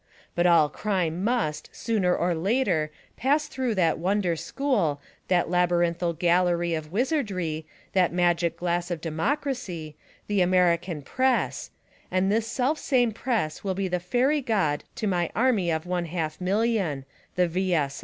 But all crime must, sooner or later, pass through that wo.nder school, that labyrinthal gallery of wizardry, that magic glass of democracy — THE AMERICAN PRESS — and this self same press will be the fairy God to mj! army of one half million — the V.